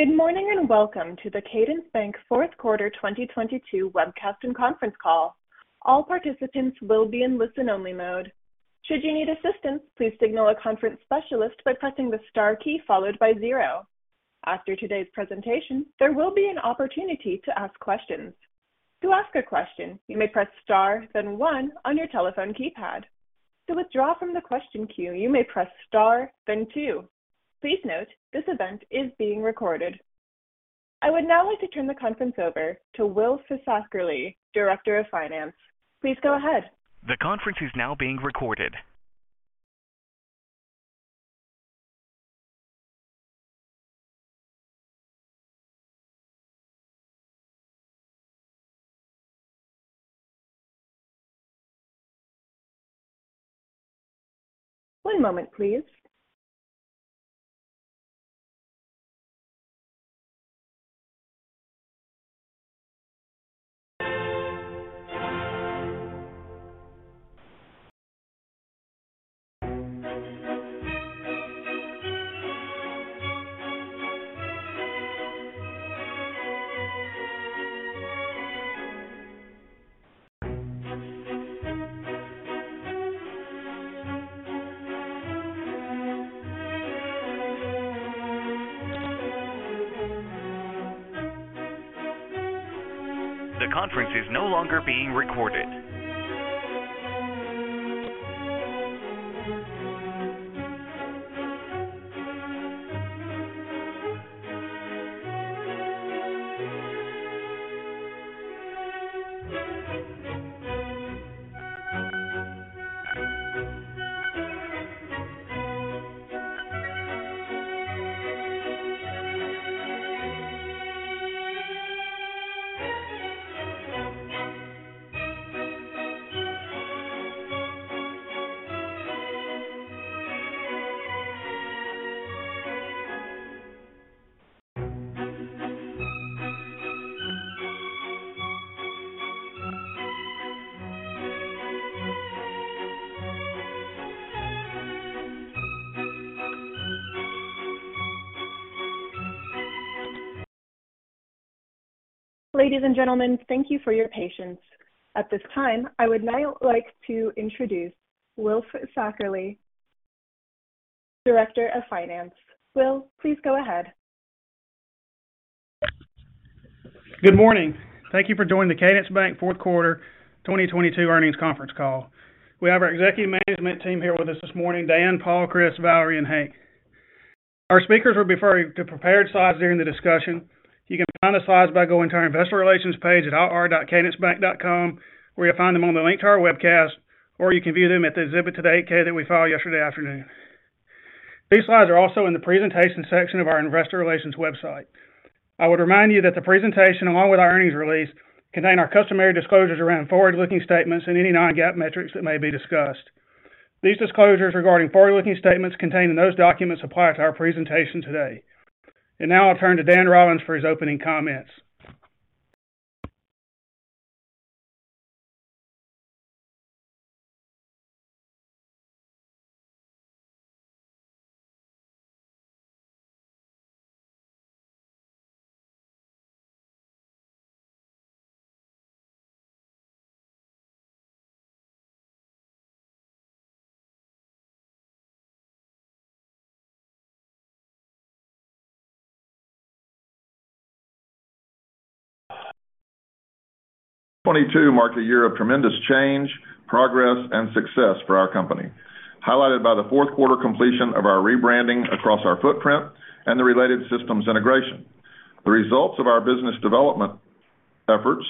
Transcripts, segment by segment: Good morning, welcome to the Cadence Bank fourth quarter 2022 webcast and conference call. All participants will be in listen-only mode. Should you need assistance, please signal a conference specialist by pressing the star key followed by zero. After today's presentation, there will be an opportunity to ask questions. To ask a question, you may press star then one on your telephone keypad. To withdraw from the question queue, you may press star then two. Please note, this event is being recorded. I would now like to turn the conference over to Will Fisackerly, Director of Finance. Please go ahead. The conference is now being recorded. One moment, please. The conference is no longer being recorded. Ladies and gentlemen, thank you for your patience. At this time, I would now like to introduce Will Fisackerly, Director of Finance. Will, please go ahead. Good morning. Thank you for joining the Cadence Bank fourth quarter 2022 earnings conference call. We have our executive management team here with us this morning, Dan, Paul, Chris, Valerie, and Hank. Our speakers will be referring to prepared slides during the discussion. You can find the slides by going to our investor relations page at ir.cadencebank.com, where you'll find them on the link to our webcast, or you can view them at the exhibit to the 8-K that we filed yesterday afternoon. These slides are also in the presentation section of our investor relations website. I would remind you that the presentation, along with our earnings release, contain our customary disclosures around forward-looking statements and any non-GAAP metrics that may be discussed. These disclosures regarding forward-looking statements contained in those documents apply to our presentation today. Now I'll turn to Dan Rollins for his opening comments. 2022 marked a year of tremendous change, progress, and success for our company, highlighted by the fourth quarter completion of our rebranding across our footprint and the related systems integration. The results of our business development efforts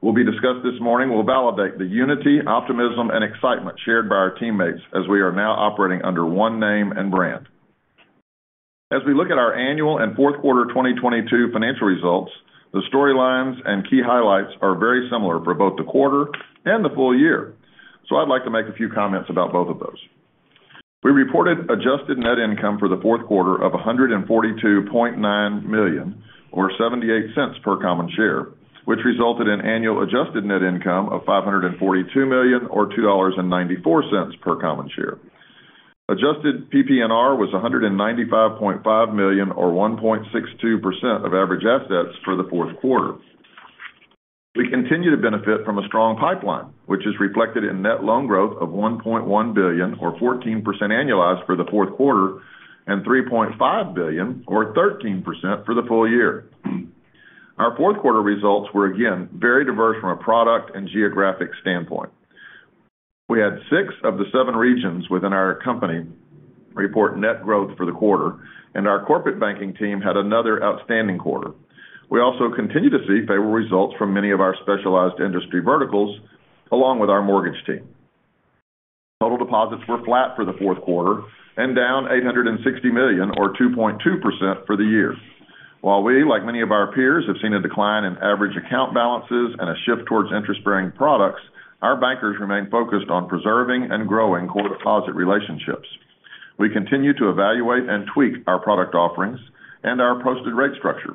will be discussed this morning will validate the unity, optimism, and excitement shared by our teammates as we are now operating under one name and brand. As we look at our annual and fourth quarter 2022 financial results, the storylines and key highlights are very similar for both the quarter and the full year. I'd like to make a few comments about both of those. We reported adjusted net income for the fourth quarter of $142.9 million or $0.78 per common share, which resulted in annual adjusted net income of $542 million or $2.94 per common share. Adjusted PPNR was $195.5 million or 1.62% of average assets for the fourth quarter. We continue to benefit from a strong pipeline, which is reflected in net loan growth of $1.1 billion or 14% annualized for the fourth quarter and $3.5 billion or 13% for the full year. Our fourth quarter results were again very diverse from a product and geographic standpoint. We had six of the seven regions within our company report net growth for the quarter. Our corporate banking team had another outstanding quarter. We also continue to see favorable results from many of our specialized industry verticals along with our mortgage team. Total deposits were flat for the fourth quarter and down $860 million or 2.2% for the year. While we, like many of our peers, have seen a decline in average account balances and a shift towards interest-bearing products, our bankers remain focused on preserving and growing core deposit relationships. We continue to evaluate and tweak our product offerings and our posted rate structure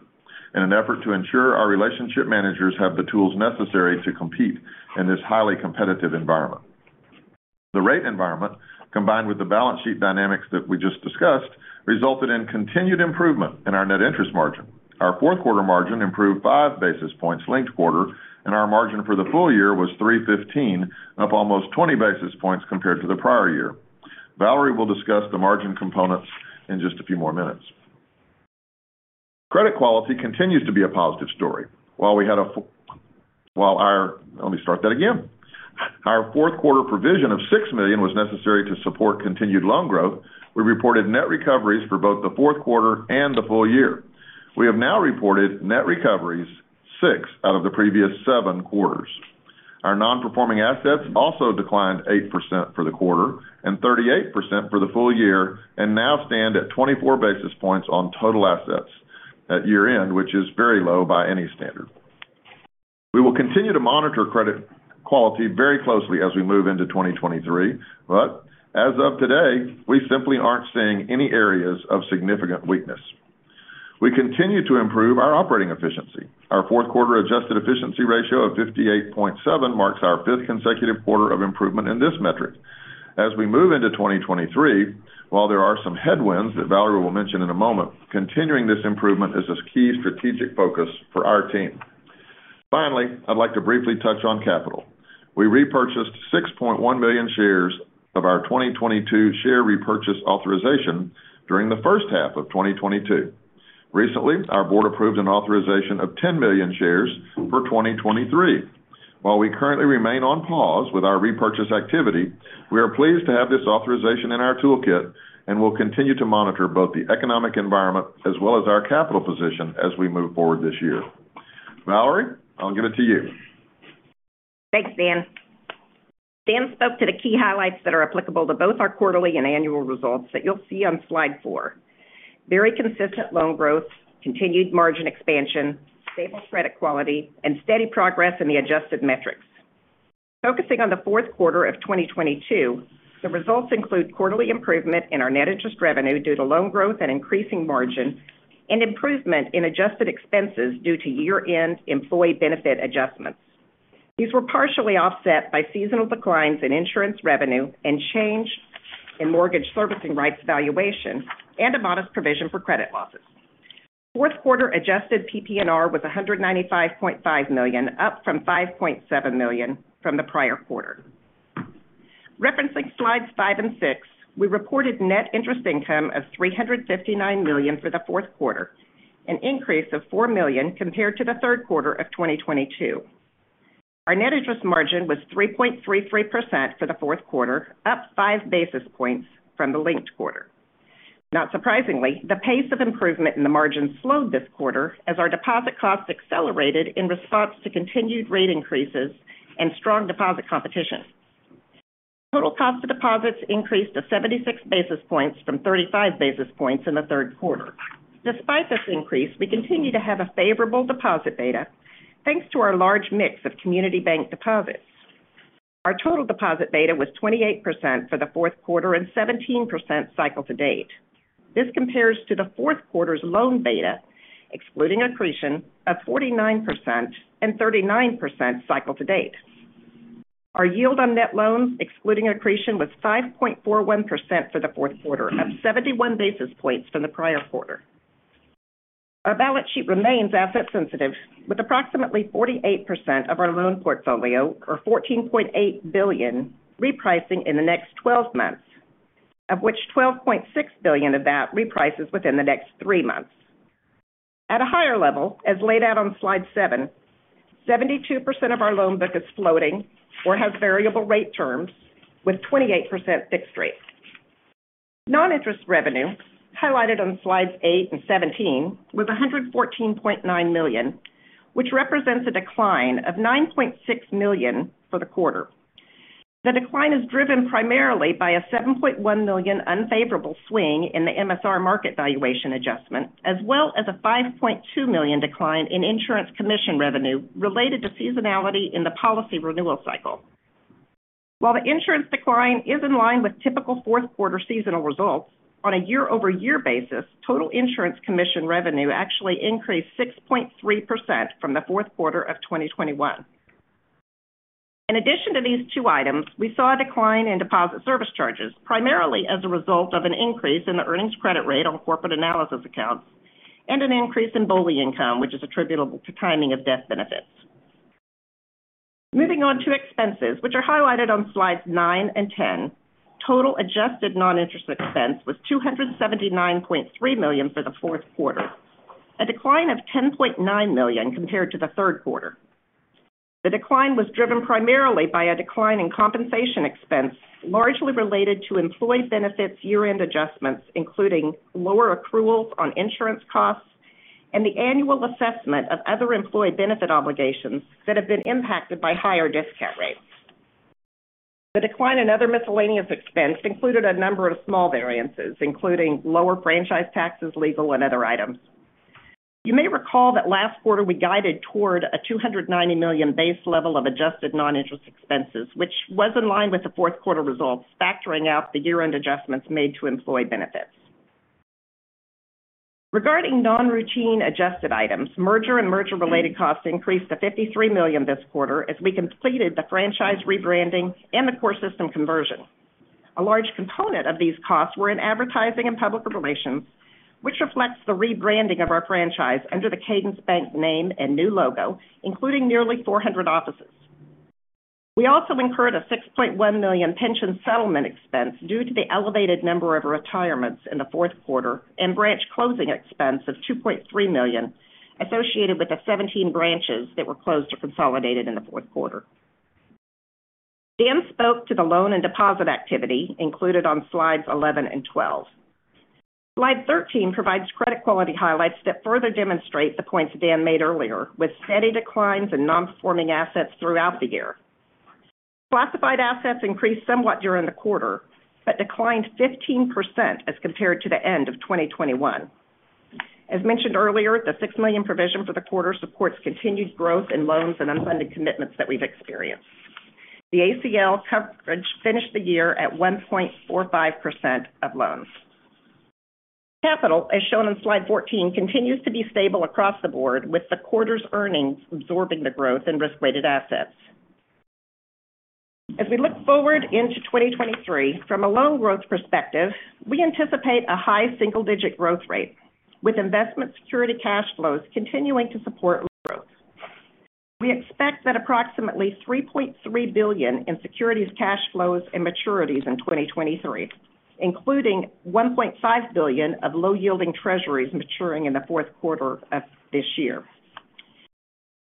in an effort to ensure our relationship managers have the tools necessary to compete in this highly competitive environment. The rate environment, combined with the balance sheet dynamics that we just discussed, resulted in continued improvement in our net interest margin. Our fourth quarter margin improved five basis points linked quarter, and our margin for the full year was 315, up almost 20 basis points compared to the prior year. Valerie will discuss the margin components in just a few more minutes. Credit quality continues to be a positive story. Let me start that again. Our fourth quarter provision of $6 million was necessary to support continued loan growth. We reported net recoveries for both the fourth quarter and the full year. We have now reported net recoveries six out of the previous seven quarters. Our non-performing assets also declined 8% for the quarter and 38% for the full year, now stand at 24 basis points on total assets at year-end, which is very low by any standard. As of today, we simply aren't seeing any areas of significant weakness. We will continue to monitor credit quality very closely as we move into 2023. We continue to improve our operating efficiency. Our fourth quarter adjusted efficiency ratio of 58.7 marks our fifth consecutive quarter of improvement in this metric. As we move into 2023, while there are some headwinds that Valerie will mention in a moment, continuing this improvement is a key strategic focus for our team. Finally, I'd like to briefly touch on capital. We repurchased 6.1 million shares of our 2022 share repurchase authorization during the first half of 2022. Recently, our board approved an authorization of 10 million shares for 2023. While we currently remain on pause with our repurchase activity, we are pleased to have this authorization in our toolkit and will continue to monitor both the economic environment as well as our capital position as we move forward this year. Valerie, I'll give it to you. Thanks, Dan. Dan spoke to the key highlights that are applicable to both our quarterly and annual results that you'll see on slide four. Very consistent loan growth, continued margin expansion, stable credit quality, and steady progress in the adjusted metrics. Focusing on the fourth quarter of 2022, the results include quarterly improvement in our net interest revenue due to loan growth and increasing margin, and improvement in adjusted expenses due to year-end employee benefit adjustments. These were partially offset by seasonal declines in insurance revenue and change in mortgage servicing rights valuation and a modest provision for credit losses. Fourth quarter adjusted PPNR was $195.5 million, up from $5.7 million from the prior quarter. Referencing slides five and six, we reported net interest income of $359 million for the fourth quarter, an increase of $4 million compared to the third quarter of 2022. Our net interest margin was 3.33% for the fourth quarter, up five basis points from the linked quarter. Not surprisingly, the pace of improvement in the margin slowed this quarter as our deposit costs accelerated in response to continued rate increases and strong deposit competition. Total cost of deposits increased to 76 basis points from 35 basis points in the third quarter. Despite this increase, we continue to have a favorable deposit beta, thanks to our large mix of community bank deposits. Our total deposit beta was 28% for the fourth quarter and 17% cycle to date. This compares to the fourth quarter's loan beta, excluding accretion, of 49% and 39% cycle to date. Our yield on net loans, excluding accretion, was 5.41% for the fourth quarter, up 71 basis points from the prior quarter. Our balance sheet remains asset sensitive with approximately 48% of our loan portfolio, or $14.8 billion, repricing in the next 12 months, of which $12.6 billion of that reprices within the next three months. At a higher level, as laid out on slide 7, 72% of our loan book is floating or has variable rate terms with 28% fixed rate. Non-interest revenue, highlighted on slides eight and 17, was $114.9 million, which represents a decline of $9.6 million for the quarter. The decline is driven primarily by a $7.1 million unfavorable swing in the MSR market valuation adjustment, as well as a $5.2 million decline in insurance commission revenue related to seasonality in the policy renewal cycle. While the insurance decline is in line with typical fourth quarter seasonal results on a year-over-year basis, total insurance commission revenue actually increased 6.3% from the fourth quarter of 2021. In addition to these two items, we saw a decline in deposit service charges primarily as a result of an increase in the earnings credit rate on corporate analysis accounts and an increase in BOLI income which is attributable to timing of death benefits. Moving on to expenses, which are highlighted on slides nine and 10. Total adjusted non-interest expense was $279.3 million for the fourth quarter, a decline of $10.9 million compared to the third quarter. The decline was driven primarily by a decline in compensation expense, largely related to employee benefits year-end adjustments, including lower accruals on insurance costs and the annual assessment of other employee benefit obligations that have been impacted by higher discount rates. The decline in other miscellaneous expense included a number of small variances, including lower franchise taxes, legal, and other items. You may recall that last quarter we guided toward a $290 million base level of adjusted non-interest expenses, which was in line with the fourth quarter results, factoring out the year-end adjustments made to employee benefits. Regarding non-routine adjusted items, merger and merger-related costs increased to $53 million this quarter as we completed the franchise rebranding and the core system conversion. A large component of these costs were in advertising and public relations, which reflects the rebranding of our franchise under the Cadence Bank name and new logo, including nearly 400 offices. We also incurred a $6.1 million pension settlement expense due to the elevated number of retirements in the fourth quarter and branch closing expense of $2.3 million associated with the 17 branches that were closed or consolidated in the fourth quarter. Dan spoke to the loan and deposit activity included on slides 11 and 12. Slide 13 provides credit quality highlights that further demonstrate the points Dan made earlier, with steady declines in non-performing assets throughout the year. Classified assets increased somewhat during the quarter but declined 15% as compared to the end of 2021. As mentioned earlier, the $6 million provision for the quarter supports continued growth in loans and unfunded commitments that we've experienced. The ACL coverage finished the year at 1.45% of loans. Capital, as shown on slide 14, continues to be stable across the board, with the quarter's earnings absorbing the growth in risk-weighted assets. We look forward into 2023, from a loan growth perspective, we anticipate a high single-digit growth rate, with investment security cash flows continuing to support loan growth. We expect that approximately $3.3 billion in securities cash flows and maturities in 2023, including $1.5 billion of low-yielding treasuries maturing in the fourth quarter of this year.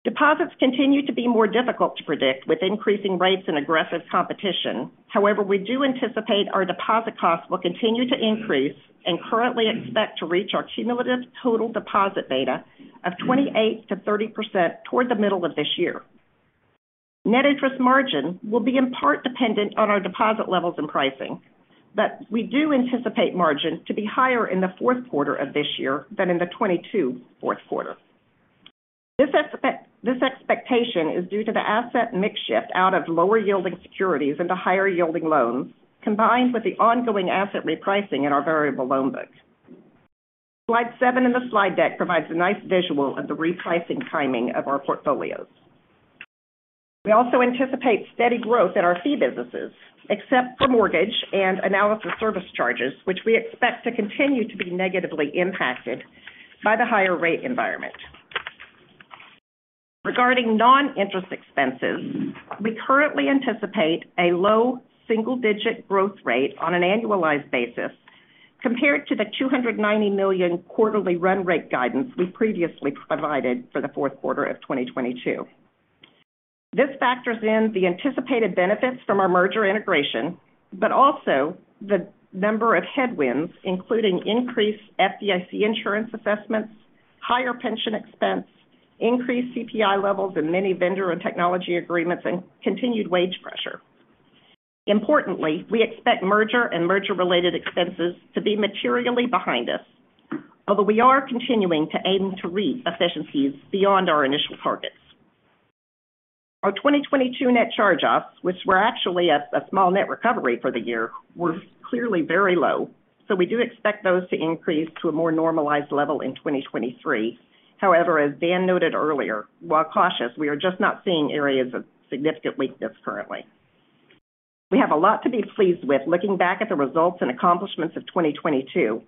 Deposits continue to be more difficult to predict with increasing rates and aggressive competition. However, we do anticipate our deposit costs will continue to increase and currently expect to reach our cumulative total deposit beta of 28%-30% toward the middle of this year. net interest margin will be in part dependent on our deposit levels and pricing, but we do anticipate margin to be higher in the fourth quarter of this year than in the 2022 fourth quarter. This expectation is due to the asset mix shift out of lower-yielding securities into higher-yielding loans, combined with the ongoing asset repricing in our variable loan book. Slide seven in the slide deck provides a nice visual of the repricing timing of our portfolios. We also anticipate steady growth in our fee businesses, except for mortgage and analysis service charges, which we expect to continue to be negatively impacted by the higher rate environment. Regarding non-interest expenses, we currently anticipate a low single-digit growth rate on an annualized basis compared to the $290 million quarterly run rate guidance we previously provided for the fourth quarter of 2022. This factors in the anticipated benefits from our merger integration, but also the number of headwinds, including increased FDIC insurance assessments, higher pension expense, increased CPI levels in many vendor and technology agreements, and continued wage pressure. Importantly, we expect merger and merger-related expenses to be materially behind us. We are continuing to aim to reap efficiencies beyond our initial targets. Our 2022 net charge-offs, which were actually a small net recovery for the year, were clearly very low. We do expect those to increase to a more normalized level in 2023. However, as Dan noted earlier, while cautious, we are just not seeing areas of significant weakness currently. We have a lot to be pleased with looking back at the results and accomplishments of 2022.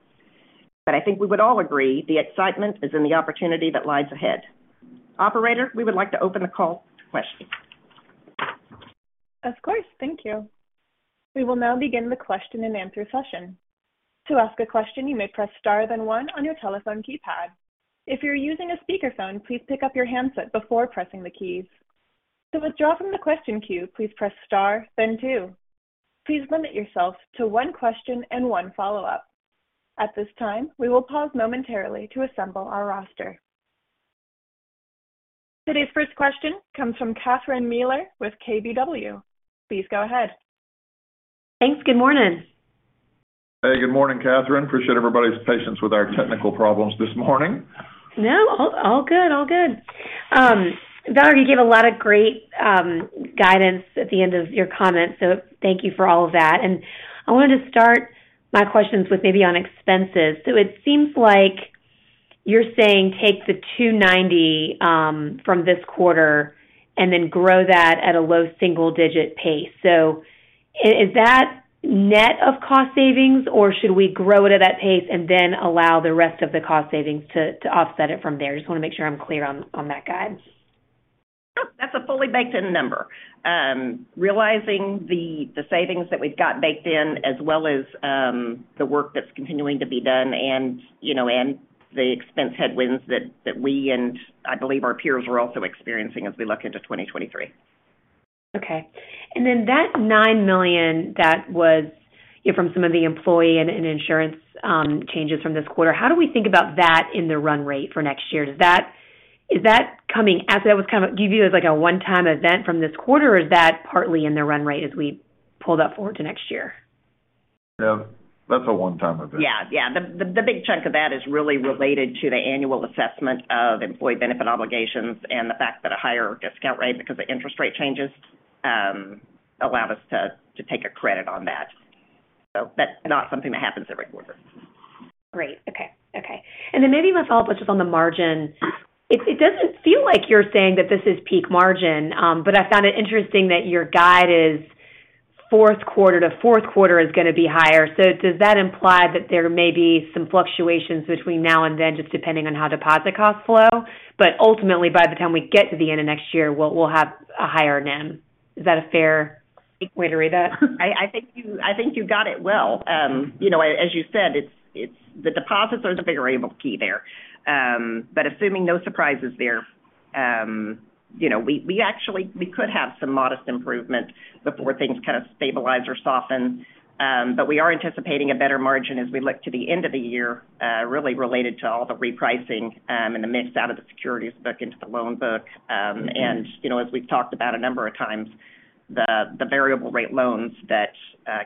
I think we would all agree the excitement is in the opportunity that lies ahead. Operator, we would like to open the call to questions. Of course. Thank you. We will now begin the question-and-answer session. To ask a question, you may press star then one on your telephone keypad. If you're using a speakerphone, please pick up your handset before pressing the keys. To withdraw from the question queue, please press star then two. Please limit yourself to one question and one follow-up. At this time, we will pause momentarily to assemble our roster. Today's first question comes from Catherine Mealor with KBW. Please go ahead. Thanks. Good morning. Hey, good morning, Katherine. Appreciate everybody's patience with our technical problems this morning. No, all good, all good. Valerie, you gave a lot of great guidance at the end of your comments, thank you for all of that. I wanted to start my questions with maybe on expenses. It seems like you're saying take the $290 from this quarter and then grow that at a low single-digit pace. Is that net of cost savings, or should we grow it at that pace and then allow the rest of the cost savings to offset it from there? Just wanna make sure I'm clear on that guide. Sure. That's a fully baked in number. realizing the savings that we've got baked in, as well as, the work that's continuing to be done and, you know, and the expense headwinds that we and I believe our peers are also experiencing as we look into 2023. Okay. Then that $9 million that was, you know, from some of the employee and insurance, changes from this quarter, how do we think about that in the run rate for next year? That was kind of viewed as like a one-time event from this quarter, or is that partly in the run rate as we pull that forward to next year? Yeah, that's a one-time event. Yeah. Yeah. The big chunk of that is really related to the annual assessment of employee benefit obligations and the fact that a higher discount rate because of interest rate changes allowed us to take a credit on that. That's not something that happens every quarter. Great. Okay. Okay. Maybe my follow-up was just on the margin. It doesn't feel like you're saying that this is peak margin, but I found it interesting that your guide is fourth quarter to fourth quarter is gonna be higher. Does that imply that there may be some fluctuations between now and then, just depending on how deposit costs flow, but ultimately, by the time we get to the end of next year, we'll have a higher NIM? Is that a fair way to read that? I think you got it well. You know, as you said, it's the deposits are the variable key there. Assuming no surprises there, you know, we could have some modest improvement before things kind of stabilize or soften. We are anticipating a better margin as we look to the end of the year, really related to all the repricing and the mix out of the securities book into the loan book. You know, as we've talked about a number of times, the variable rate loans that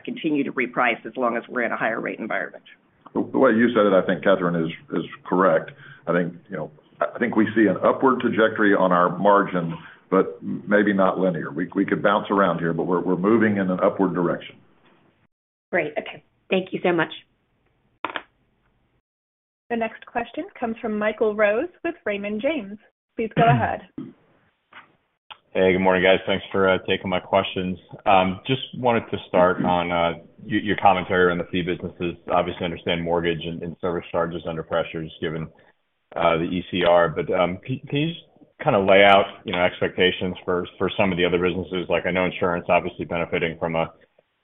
continue to reprice as long as we're in a higher rate environment. The way you said it, I think Kathryn is correct. I think, you know, I think we see an upward trajectory on our margin, but maybe not linear. We could bounce around here, but we're moving in an upward direction. Great. Okay. Thank you so much. The next question comes from Michael Rose with Raymond James. Please go ahead. Hey, good morning, guys. Thanks for taking my questions. Just wanted to start on your commentary on the fee businesses. Obviously understand mortgage and service charge is under pressures given the ECR. Please kind of lay out, you know, expectations for some of the other businesses. Like I know insurance obviously benefiting from a,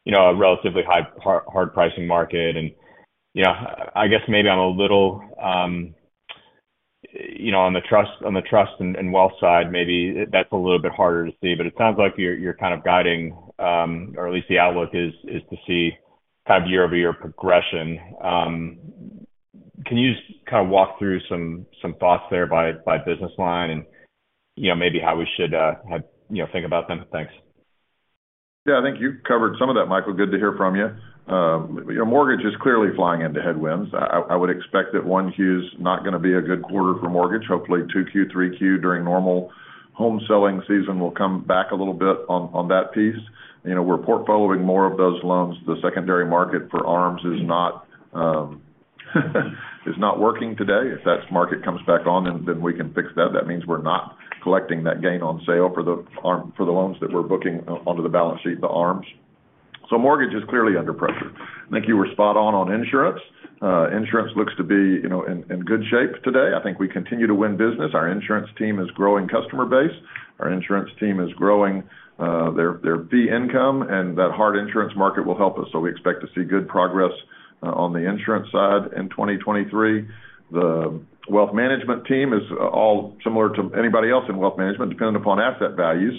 you know, a relatively high, hard pricing market. You know, I guess maybe I'm a little, you know, on the trust and wealth side, maybe that's a little bit harder to see, but it sounds like you're kind of guiding or at least the outlook is to see kind of year-over-year progression. Can you just kind of walk through some thoughts there by business line and, you know, maybe how we should, you know, think about them? Thanks. Yeah. I think you've covered some of that, Michael. Good to hear from you. you know, mortgage is clearly flying into headwinds. I would expect that 1Q is not gonna be a good quarter for mortgage. Hopefully, 2Q, 3Q, during normal home selling season will come back a little bit on that piece. You know, we're portfolioing more of those loans. The secondary market for ARMs is not working today. If that market comes back on, then we can fix that. That means we're not collecting that gain on sale for the loans that we're booking onto the balance sheet, the ARMs. Mortgage is clearly under pressure. I think you were spot on insurance. insurance looks to be, you know, in good shape today. I think we continue to win business. Our insurance team is growing customer base. Our insurance team is growing their fee income, and that hard insurance market will help us. We expect to see good progress on the insurance side in 2023. The wealth management team is all similar to anybody else in wealth management, dependent upon asset value.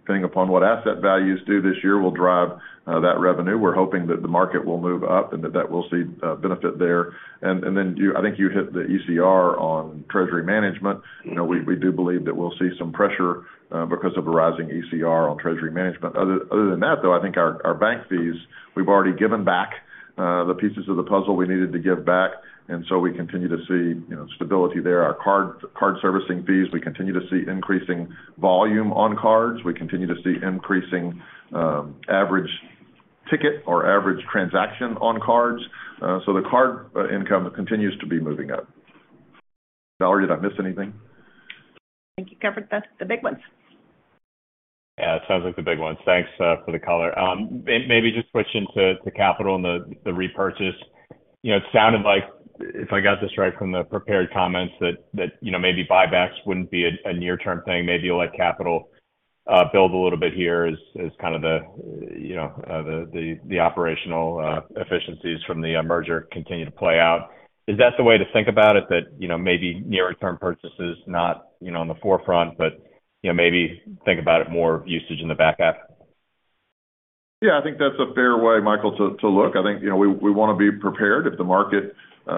Depending upon what asset values do this year will drive that revenue. We're hoping that the market will move up and that we'll see benefit there. Then you I think you hit the ECR on treasury management. You know, we do believe that we'll see some pressure because of a rising ECR on treasury management. Other than that, though, I think our bank fees, we've already given back the pieces of the puzzle we needed to give back. We continue to see, you know, stability there. Our card servicing fees, we continue to see increasing volume on cards. We continue to see increasing average ticket or average transaction on cards. The card income continues to be moving up. Valerie, did I miss anything? I think you covered the big ones. Yeah, it sounds like the big ones. Thanks for the color. Maybe just switching to capital and the repurchase. You know, it sounded like, if I got this right from the prepared comments that, you know, maybe buybacks wouldn't be a near-term thing. Maybe you'll let capital build a little bit here as kind of the, you know, the operational efficiencies from the merger continue to play out. Is that the way to think about it? That, you know, maybe nearer term purchases not, you know, in the forefront, but, you know, maybe think about it more usage in the back half? Yeah, I think that's a fair way, Michael, to look. I think, you know, we wanna be prepared if the market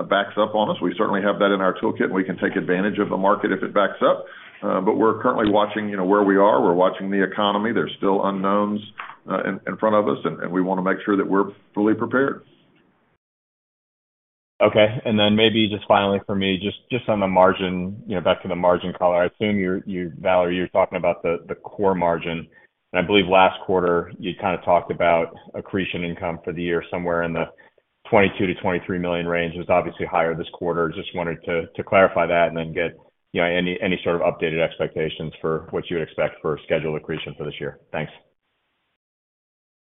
backs up on us. We certainly have that in our toolkit, and we can take advantage of the market if it backs up. We're currently watching, you know, where we are. We're watching the economy. There's still unknowns in front of us and we wanna make sure that we're fully prepared. Okay. Maybe just finally for me, just on the margin, you know, back to the margin color. I assume Valerie, you're talking about the core margin. I believe last quarter you kind of talked about accretion income for the year somewhere in the $22 million-$23 million range. It was obviously higher this quarter. Just wanted to clarify that and then get, you know, any sort of updated expectations for what you would expect for scheduled accretion for this year. Thanks.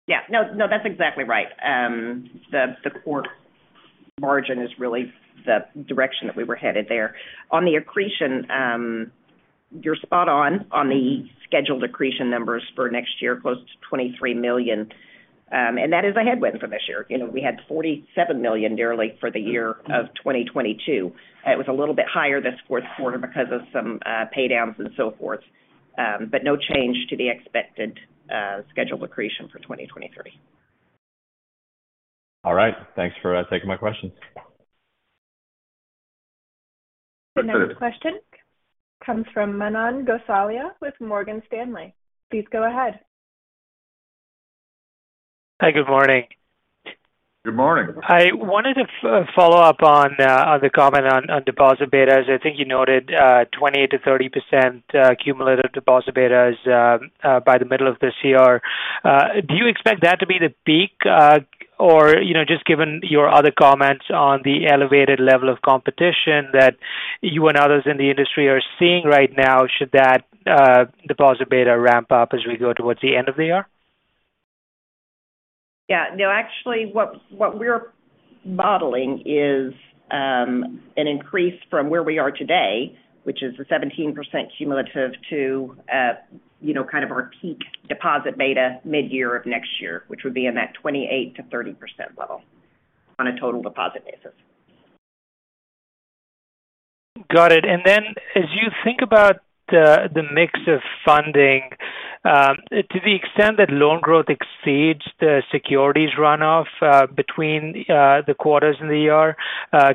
Yeah. No, no, that's exactly right. The, the core margin is really the direction that we were headed there. On the accretion, you're spot on the scheduled accretion numbers for next year, close to $23 million. That is a headwind for this year. You know, we had $47 million nearly for the year of 2022. It was a little bit higher this fourth quarter because of some pay downs and so forth. No change to the expected, scheduled accretion for 2023. All right. Thanks for taking my questions. Yeah. The next question comes from Manan Gosalia with Morgan Stanley. Please go ahead. Hi, good morning. Good morning. I wanted to follow up on the comment on deposit betas. I think you noted 20%-30% cumulative deposit betas by the middle of this year. Do you expect that to be the peak, or, you know, just given your other comments on the elevated level of competition that you and others in the industry are seeing right now, should that deposit beta ramp up as we go towards the end of the year? Yeah. No, actually, what we're modeling is an increase from where we are today, which is a 17% cumulative to, you know, kind of our peak deposit beta mid-year of next year, which would be in that 28%-30% level on a total deposit basis. Got it. As you think about the mix of funding, to the extent that loan growth exceeds the securities runoff, between the quarters in the year,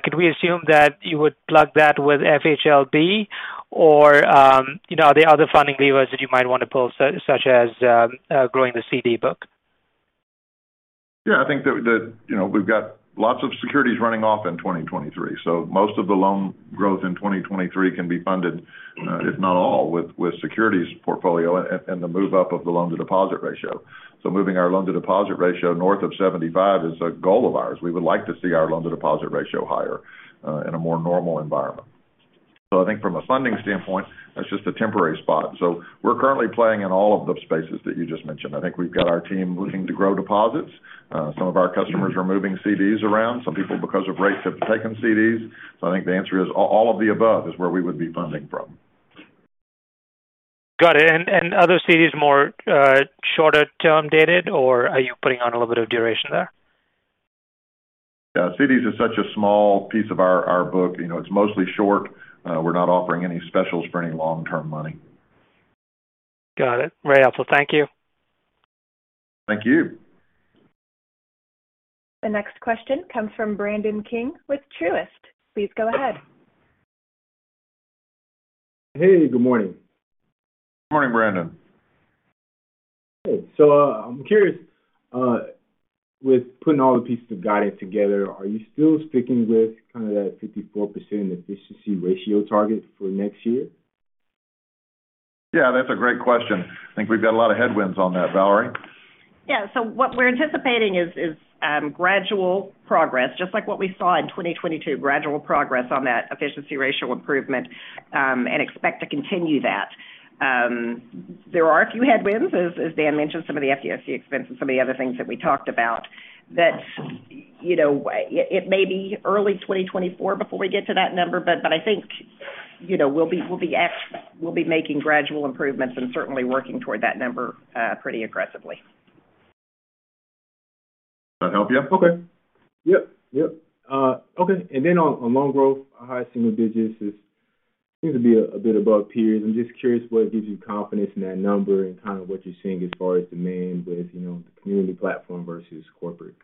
could we assume that you would plug that with FHLB or, you know, are there other funding levers that you might want to pull such as, growing the CD book? Yeah, I think that, you know, we've got lots of securities running off in 2023. Most of the loan growth in 2023 can be funded, if not all, with securities portfolio and the move up of the loan-to-deposit ratio. Moving our loan-to-deposit ratio north of 75 is a goal of ours. We would like to see our loan-to-deposit ratio higher in a more normal environment. I think from a funding standpoint, that's just a temporary spot. We're currently playing in all of the spaces that you just mentioned. I think we've got our team looking to grow deposits. Some of our customers are moving CDs around. Some people, because of rates, have taken CDs. I think the answer is all of the above is where we would be funding from. Got it. Are those CDs more, shorter term dated or are you putting on a little bit of duration there? Yeah. CDs is such a small piece of our book. You know, it's mostly short. We're not offering any specials for any long-term money. Got it. Very helpful. Thank you. Thank you. The next question comes from Brandon King with Truist. Please go ahead. Hey, good morning. Good morning, Brandon. Hey. I'm curious, with putting all the pieces of guidance together, are you still sticking with kind of that 54% efficiency ratio target for next year? That's a great question. I think we've got a lot of headwinds on that. Valerie? Yeah. What we're anticipating is gradual progress, just like what we saw in 2022, gradual progress on that efficiency ratio improvement, and expect to continue that. There are a few headwinds as Dan mentioned, some of the FDIC expenses, some of the other things that we talked about that, you know, it may be early 2024 before we get to that number. I think, you know, we'll be making gradual improvements and certainly working toward that number, pretty aggressively. Does that help you? Okay. Yep. Yep. Okay. Then on loan growth, high single digits seems to be a bit above peers. I'm just curious what gives you confidence in that number and kind of what you're seeing as far as demand with, you know, the community platform versus corporate.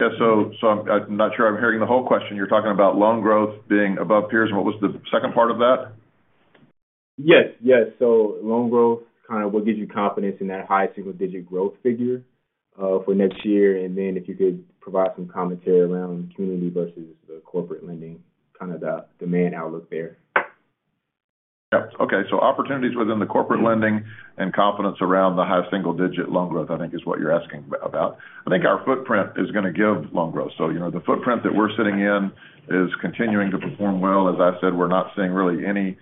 Yeah. I'm not sure I'm hearing the whole question. You're talking about loan growth being above peers, and what was the second part of that? Yes. Yes. Loan growth, kind of what gives you confidence in that high single digit growth figure for next year. If you could provide some commentary around community versus the corporate lending, kind of the demand outlook there. Yeah. Okay. Opportunities within the corporate lending and confidence around the high single-digit loan growth, I think is what you're asking about. I think our footprint is going to give loan growth. You know, the footprint that we're sitting in is continuing to perform well. As I said, we're not seeing really any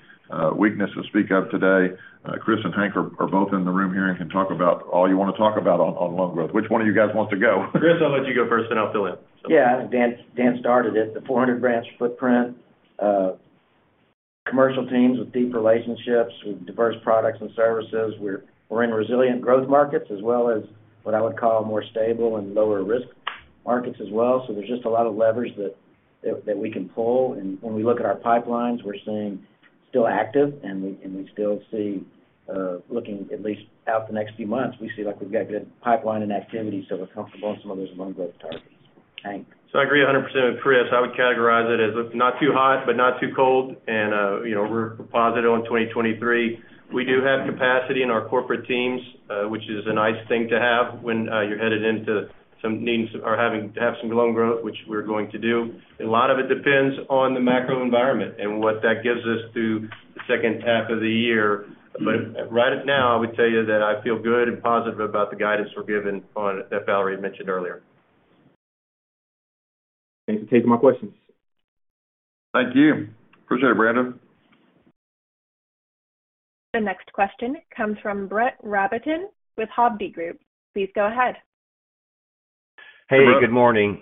weakness to speak of today. Chris and Hank are both in the room here and can talk about all you want to talk about on loan growth. Which one of you guys wants to go? Chris, I'll let you go first, then I'll fill in. Yeah. Dan started it. The 400 branch footprint, commercial teams with deep relationships with diverse products and services. We're in resilient growth markets as well as what I would call more stable and lower risk markets as well. There's just a lot of leverage that we can pull. When we look at our pipelines, we're seeing still active, and we still see, looking at least out the next few months, we see like we've got good pipeline and activity. We're comfortable in some of those loan growth targets. Hank. I agree 100% with Chris. I would categorize it as not too hot but not too cold. you know, we're positive on 2023. We do have capacity in our corporate teams, which is a nice thing to have when you're headed into some needs or having to have some loan growth which we're going to do. A lot of it depends on the macro environment and what that gives us through the second half of the year. Right now I would tell you that I feel good and positive about the guidance we're given that Valerie mentioned earlier. Thanks for taking my questions. Thank you. Appreciate it, Brandon. The next question comes from Brett Rabatin with Hovde Group. Please go ahead. Brett. Hey, good morning.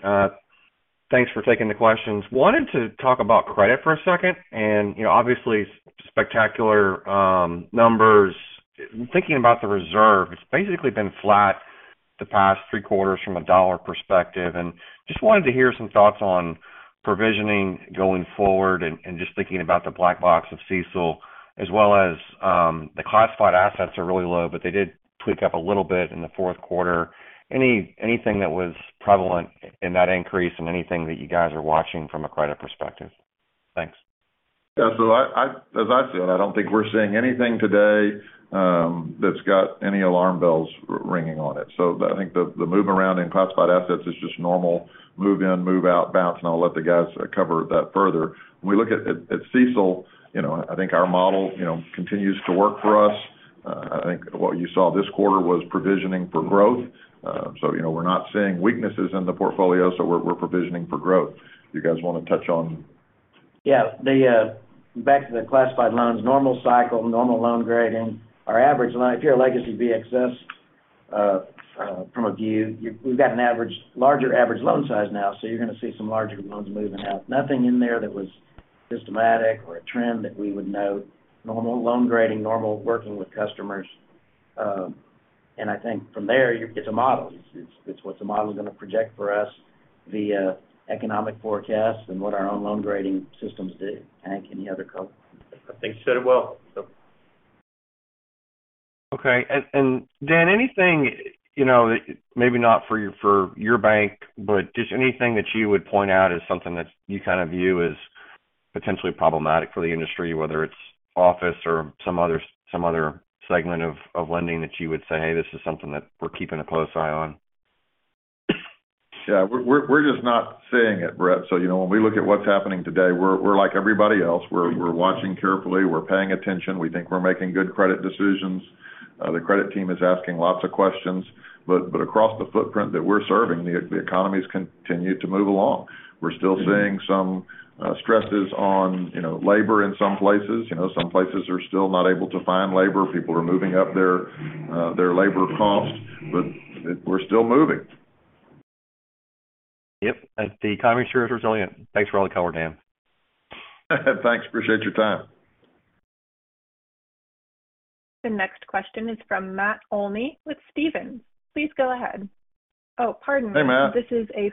Thanks for taking the questions. Wanted to talk about credit for a second and you know, obviously spectacular numbers. Thinking about the reserve, it's basically been flat the past three quarters from a dollar perspective, and just wanted to hear some thoughts on provisioning going forward and just thinking about the black box of CECL as well as the classified assets are really low, but they did tweak up a little bit in the fourth quarter. Anything that was prevalent in that increase and anything that you guys are watching from a credit perspective? Thanks. Yeah. As I said, I don't think we're seeing anything today that's got any alarm bells ringing on it. I think the move around in classified assets is just normal move in, move out, bounce, and I'll let the guys cover that further. When we look at CECL, you know, I think our model, you know, continues to work for us. I think what you saw this quarter was provisioning for growth. You know, we're not seeing weaknesses in the portfolio, so we're provisioning for growth. Do you guys wanna touch on... The back to the classified loans, normal cycle, normal loan grading. Our average loan, if you're a legacy BXS from a view, we've got a larger average loan size now, so you're gonna see some larger loans moving out. Nothing in there that was systematic or a trend that we would note. Normal loan grading, normal working with customers. I think from there, it's a model. It's what the model's gonna project for us via economic forecasts and what our own loan grading systems do. Hank, any other color? I think you said it well, so. Okay. Dan, anything, you know, maybe not for your, for your bank, but just anything that you would point out as something that you kind of view as potentially problematic for the industry, whether it's office or some other segment of lending that you would say, "Hey, this is something that we're keeping a close eye on? We're just not seeing it, Brett. You know, when we look at what's happening today, We're like everybody else. We're watching carefully. We're paying attention. We think we're making good credit decisions. The credit team is asking lots of questions. Across the footprint that we're serving, the economy's continued to move along. We're still seeing some stresses on, you know, labor in some places. You know, some places are still not able to find labor. People are moving up their labor costs, but we're still moving. Yep. The economy sure is resilient. Thanks for all the color, Dan. Thanks. Appreciate your time. The next question is from Matt Olney with Stephens. Please go ahead. Oh, pardon me. Hey, Matt. This is a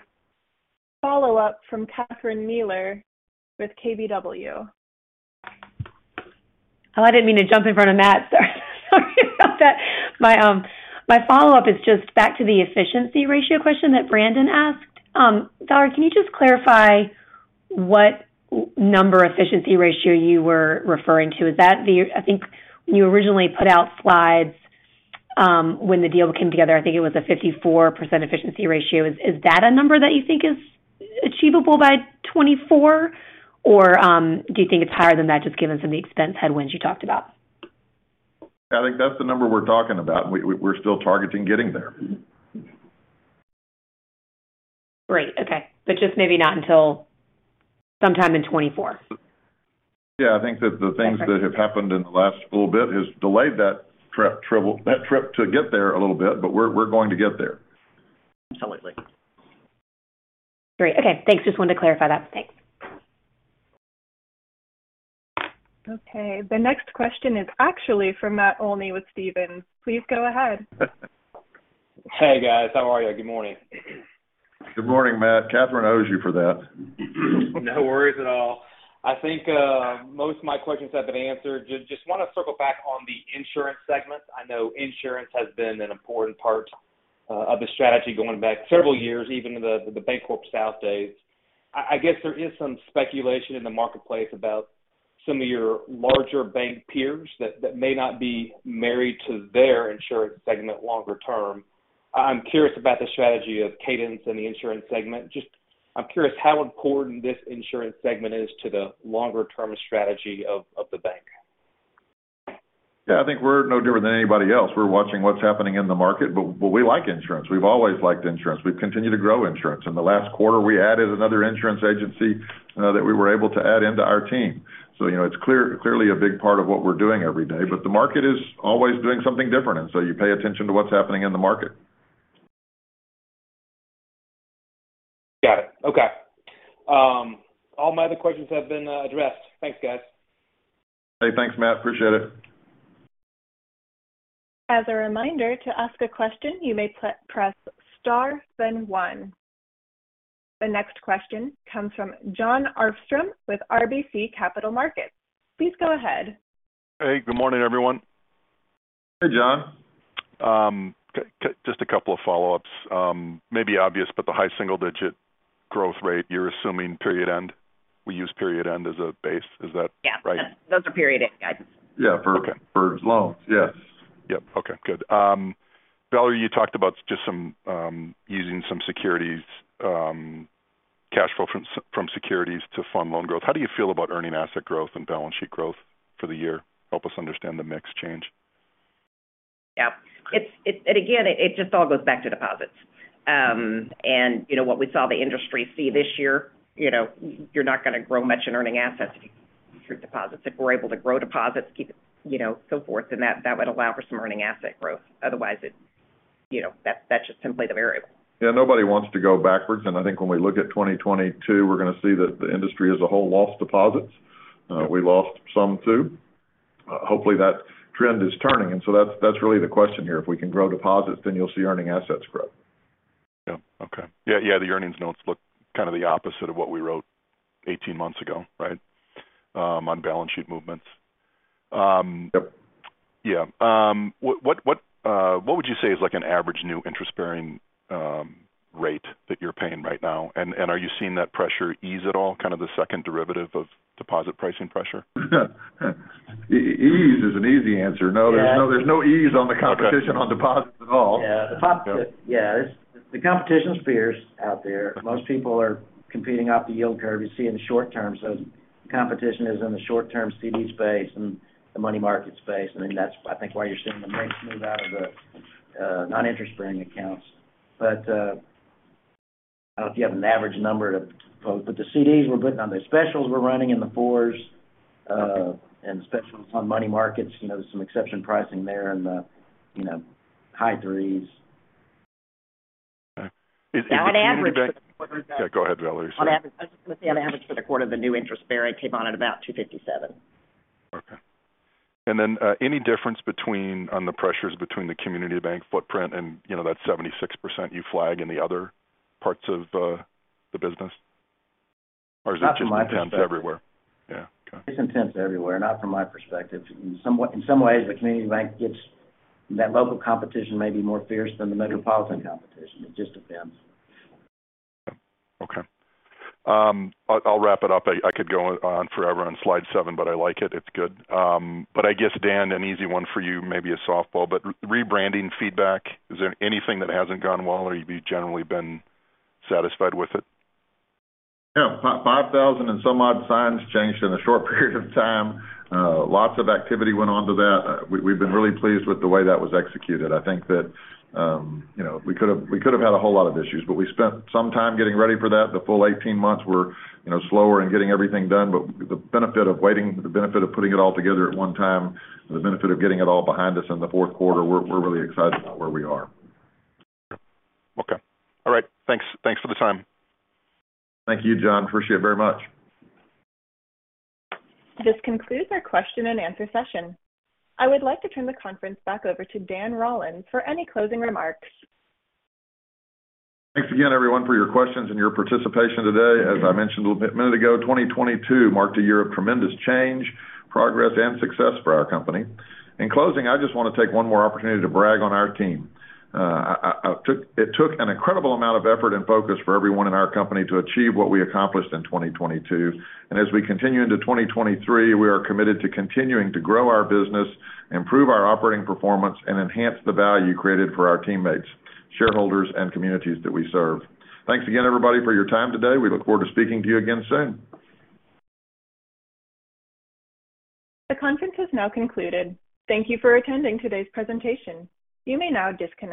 follow-up from Catherine Mealor with KBW. Oh, I didn't mean to jump in front of Matt. Sorry about that. My follow-up is just back to the efficiency ratio question that Brandon asked. Valerie, can you just clarify what n-number efficiency ratio you were referring to? Is that I think when you originally put out slides, when the deal came together, I think it was a 54% efficiency ratio. Is that a number that you think is achievable by 2024? Do you think it's higher than that just given some of the expense headwinds you talked about? I think that's the number we're talking about, and we're still targeting getting there. Great. Okay. Just maybe not until sometime in 2024. Yeah, I think that the things that have happened in the last little bit has delayed that trip to get there a little bit, but we're going to get there. Absolutely. Great. Okay, thanks. Just wanted to clarify that. Thanks. The next question is actually from Matt Olney with Stephens. Please go ahead. Hey, guys. How are you? Good morning. Good morning, Matt. Katherine owes you for that. No worries at all. I think most of my questions have been answered. Just wanna circle back on the insurance segment. I know insurance has been an important part of the strategy going back several years, even in the BancorpSouth days. I guess there is some speculation in the marketplace about some of your larger bank peers that may not be married to their insurance segment longer term. I'm curious about the strategy of cadence in the insurance segment. Just I'm curious how important this insurance segment is to the longer-term strategy of the bank. Yeah, I think we're no different than anybody else. We're watching what's happening in the market, but we like insurance. We've always liked insurance. We've continued to grow insurance. In the last quarter, we added another insurance agency, that we were able to add into our team. You know, it's clearly a big part of what we're doing every day, but the market is always doing something different. You pay attention to what's happening in the market. Got it. Okay. All my other questions have been addressed. Thanks, guys. Hey, thanks, Matt. Appreciate it. As a reminder, to ask a question, you may press star then one. The next question comes from Jon Arfstrom with RBC Capital Markets. Please go ahead. Hey, good morning, everyone. Hey, John. just a couple of follow-ups. may be obvious, but the high single digit growth rate, you're assuming period end. We use period end as a base. Is that right? Yeah. Those are period end guides. Yeah. Okay. For loans. Yes. Yep. Okay, good. Valerie, you talked about just some, using some securities, cash flow from securities to fund loan growth. How do you feel about earning asset growth and balance sheet growth for the year? Help us understand the mix change. Yeah. Again, it just all goes back to deposits. you know, what we saw the industry see this year, you know, you're not gonna grow much in earning assets if you deposits. If we're able to grow deposits, keep, you know, so forth, then that would allow for some earning asset growth. Otherwise, it, you know, that's just simply the variable. Yeah. Nobody wants to go backwards. I think when we look at 2022, we're gonna see that the industry as a whole lost deposits. We lost some, too. Hopefully, that trend is turning. That's really the question here. If we can grow deposits, then you'll see earning assets grow. The earnings notes look kind of the opposite of what we wrote 18 months ago, right, on balance sheet movements. What would you say is like an average new interest-bearing rate that you're paying right now? Are you seeing that pressure ease at all, kind of the second derivative of deposit pricing pressure? Ease is an easy answer. No, there's no ease on the competition on deposits at all. Yeah. The competition's fierce out there. Most people are competing off the yield curve you see in the short term. Competition is in the short-term CD space and the money market space. That's, I think, why you're seeing the rates move out of the non-interest-bearing accounts. I don't know if you have an average number to quote, but the CDs we're putting on, the specials we're running in the fours, and the specials on money markets, you know, there's some exception pricing there in the, you know, high threes. Okay. On average for the quarter. Yeah, go ahead, Valerie. On average for the quarter, the new interest bearing came on at about 2.57%. Okay. Then, any difference between on the pressures between the community bank footprint and, you know, that 76% you flag in the other parts of the business? Or is it just intense everywhere? Not from my perspective. Yeah. Okay. It's intense everywhere, not from my perspective. In some ways, the community bank gets that local competition may be more fierce than the metropolitan competition. It just depends. Okay. I'll wrap it up. I could go on forever on slide seven, but I like it. It's good. I guess, Dan, an easy one for you, maybe a softball, but rebranding feedback, is there anything that hasn't gone well or have you generally been satisfied with it? Yeah. 5,000 and some odd signs changed in a short period of time. Lots of activity went on to that. We've been really pleased with the way that was executed. I think that, you know, we could have had a whole lot of issues, but we spent some time getting ready for that. The full 18 months were, you know, slower in getting everything done. The benefit of waiting, the benefit of putting it all together at one time, the benefit of getting it all behind us in the fourth quarter, we're really excited about where we are. Okay. All right. Thanks. Thanks for the time. Thank you, John. Appreciate it very much. This concludes our question and answer session. I would like to turn the conference back over to Dan Rollins for any closing remarks. Thanks again, everyone, for your questions and your participation today. As I mentioned a minute ago, 2022 marked a year of tremendous change, progress, and success for our company. In closing, I just want to take one more opportunity to brag on our team. It took an incredible amount of effort and focus for everyone in our company to achieve what we accomplished in 2022. As we continue into 2023, we are committed to continuing to grow our business, improve our operating performance, and enhance the value created for our teammates, shareholders, and communities that we serve. Thanks again, everybody, for your time today. We look forward to speaking to you again soon. The conference has now concluded. Thank you for attending today's presentation. You may now disconnect.